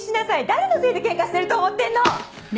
誰のせいでケンカしてると思ってんの！